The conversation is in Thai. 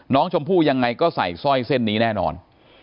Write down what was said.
น้องชมพู่ยังไงก็ใส่สร้อยเส้นนี้แน่นอน